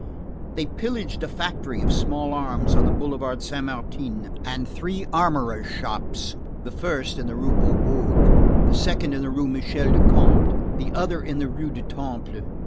They pillaged a factory of small arms on the Boulevard Saint Martin, and three armorers' shops, the first in the Rue Beaubourg, the second in the Rue Michel le Comte, the other in the Rue du Temple.